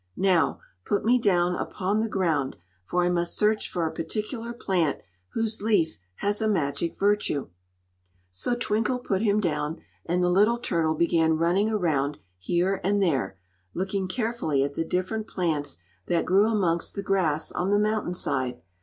Now, put me down upon the ground, for I must search for a particular plant whose leaf has a magic virtue." So Twinkle put him down, and the little turtle began running around here and there, looking carefully at the different plants that grew amongst the grass on the mountain side.